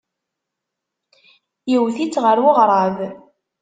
Iwet-itt ɣer uɣrab.